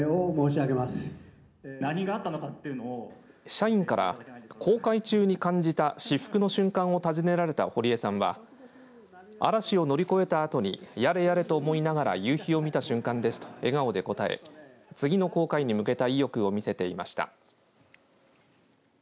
社員から航海中に感じた至福の瞬間を尋ねられた堀江さんは嵐を乗り越えたあとにやれやれと思いながら夕日を見た瞬間ですと笑顔で答え、次の航海に向けた意欲を見せていました。